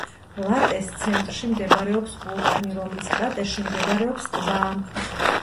ლატეს ცენტრში მდებარეობს ვულკანი, რომლის კრატერში მდებარეობს ტბა.